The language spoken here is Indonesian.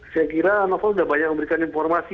saya kira novel sudah banyak memberikan informasi